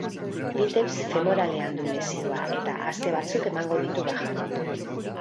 Bizeps femoralean du lesioa, eta aste batzuk emango ditu bajan.